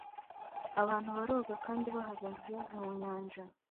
Abantu baroga kandi bahagaze mu nyanja